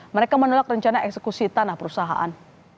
mereka menolak rencana eksekusi tanah perusahaan